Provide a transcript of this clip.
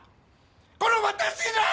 この私が！